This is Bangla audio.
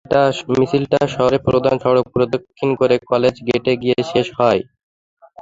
মিছিলটি শহরের প্রধান সড়ক প্রদক্ষিণ করে কলেজ গেটে গিয়ে শেষ হয়।